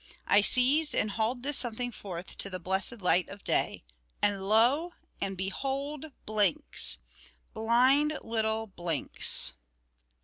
I seized and hauled this something forth to the blessed light of day, and lo! and behold! Blinks blind little Blinks!